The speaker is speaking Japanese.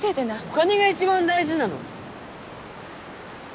お金が一番大事なの？